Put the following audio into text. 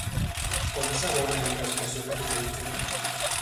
Com s'abona la prestació capitalitzada?